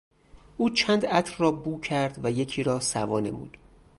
او چند عطر را بو کرد و یکی را سوا نمود.